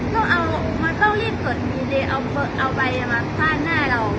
ต้องเอามันต้องรีบส่วนดีเอาไปฝ่านหน้าเรา